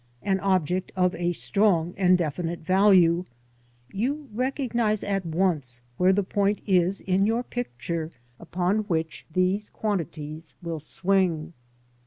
an object of a strong and definite value — ^you recognise at once where the point is in your picture upon which these quantities will swing.